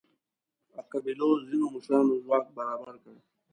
د قبیلو ځینو مشرانو ځواک برابر کړ.